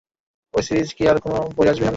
এই সিরিজের কি আর কোনও বই আসবে সামনে?